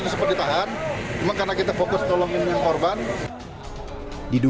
kecelakaan yang menjelaskan terjadi di dalam mobil